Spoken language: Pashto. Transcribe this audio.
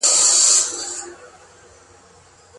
رسول اکرم ته د چا ميرمن راغله؟